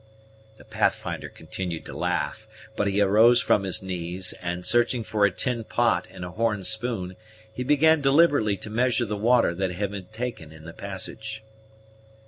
The Pathfinder continued to laugh; but he arose from his knees, and, searching for a tin pot and a horn spoon, he began deliberately to measure the water that had been taken in the passage.